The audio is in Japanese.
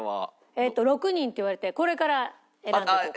えっと６人って言われてこれから選んでいこうかな。